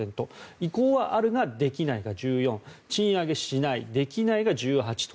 意向はあるができないが１４％賃上げしない、できないが１８と。